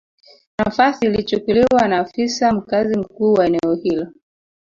Nafasi ilichukuliwa na afisa mkazi mkuu wa eneo hilo